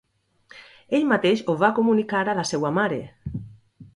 Ell mateix ho va comunicar a la seua mare.